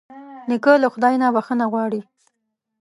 نیکه له خدای نه بښنه غواړي.